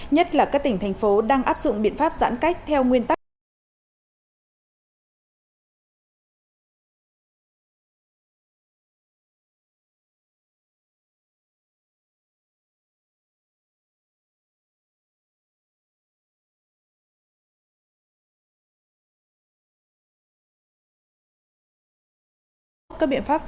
nhất là các tỉnh thành phố đang áp dụng biện pháp giãn cách theo nguyên tắc